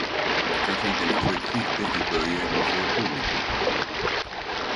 La casa en que nació existe todavía y es museo público.